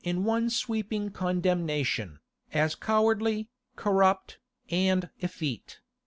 in one sweeping condemnation, as cowardly, corrupt, and effete.